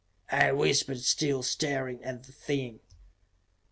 I whispered, still staring at the thing.